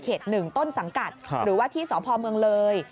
๑ต้นสังกัดหรือว่าที่สพเมืองเลย